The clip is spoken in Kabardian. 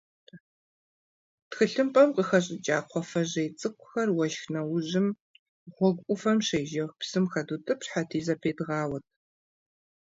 Тхылъымпӏэм къыхэщӏыкӏа кхъуафэжьей цӏыкӏухэр уэшх нэужьым гъуэгу ӏуфэм щежэх псым хэдутӏыпщхьэрти, зэпедгъауэрт.